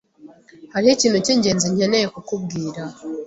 Hariho ikintu cyingenzi nkeneye kukubwira.